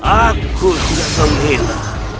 aku sudah semela